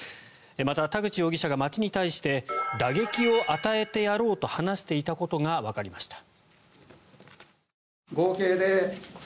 また、田口容疑者が町に対して打撃を与えてやろうと話していたことがわかりました。